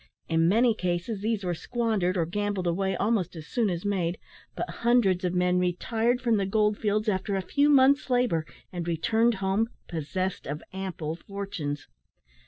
In many cases these were squandered or gambled away almost as soon as made; but hundreds of men retired from the gold fields after a few months' labour, and returned home possessed of ample fortunes.